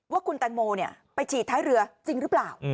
ว่าคุณแตงโมไปฉีดท้ายเรือจริงหรือเปล่า